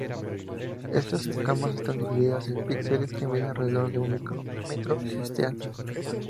Estas escamas están divididas en pixeles que miden alrededor de un micrómetro de ancho.